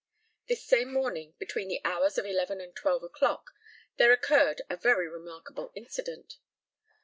This same morning, between the hours of eleven and twelve o'clock, there occurred a very remarkable incident.